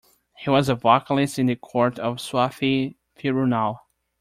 He was a vocalist in the court of Swathi Thirunal.